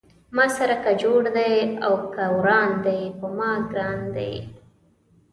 ما سره که جوړ دی او که وران دی پۀ ما ګران دی